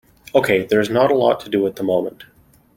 Okay, there is not a lot to do at the moment.